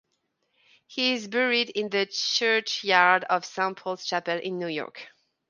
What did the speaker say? He is buried in the Churchyard of Saint Paul's Chapel in New York.